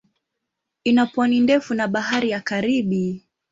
Ina pwani ndefu na Bahari ya Karibi.